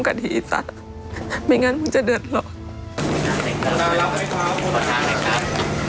แต่วันนี้เป็นวันที่ชัดเจน